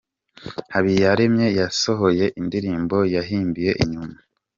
Habiyaremye yasohoye indirimbo yahimbiye Inyumba